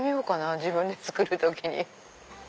自分で作る時に。